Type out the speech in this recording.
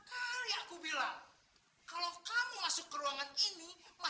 dia boleh konsul tiwak pengiriman